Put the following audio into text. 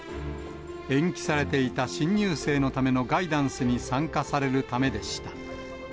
延期されていた新入生のためのガイダンスに参加されるためでした。